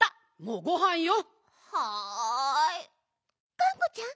がんこちゃん？